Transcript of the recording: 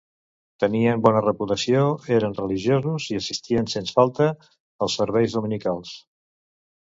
Tenien bona reputació; eren religiosos i assistien sens falta als serveis dominicals.